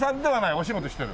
お仕事してる？